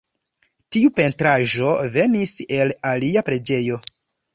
Tiu pentraĵo venis el alia preĝejo.